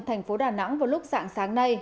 thành phố đà nẵng vào lúc sạng sáng nay